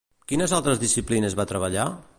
Quines altres disciplines va treballar?